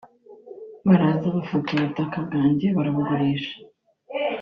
baraza bafata ubutaka bwanjye barabugurisha